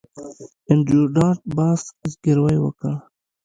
انډریو ډاټ باس زګیروی وکړ